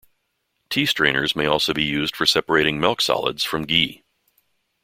Tea strainers may also be used for separating milk solids from ghee.